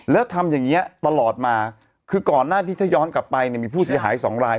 แล้วทำอย่างนี้ตลอดมาคือก่อนหน้าที่ถ้าย้อนกลับไปเนี่ยมีผู้เสียหายสองราย